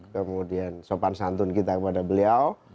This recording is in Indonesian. kemudian sopan santun kita kepada beliau